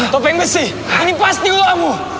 topeng besi ini pasti untuk kamu